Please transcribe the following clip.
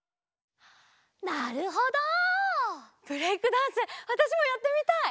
なるほど！ブレイクダンスわたしもやってみたい！